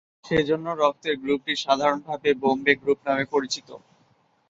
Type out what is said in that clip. সেজন্য রক্তের গ্রুপটি সাধারণভাবে বোম্বে গ্রুপ নামে পরিচিত।